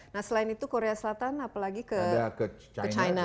nah selain itu korea selatan apalagi ke china